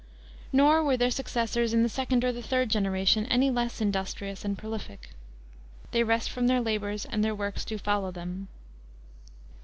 Nor were their successors in the second or the third generation any less industrious and prolific. They rest from their labors and their works do follow them.